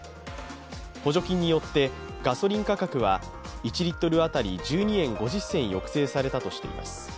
補助金によってガソリン価格は１リット当たり１２円５０銭抑制されたといいます。